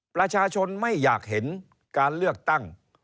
ประชาชนไม่อยากเห็นการเลือกตั้ง